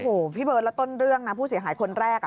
โอ้โฮพี่เบิ้ลต้นเรื่องผู้เสียหายคนแรก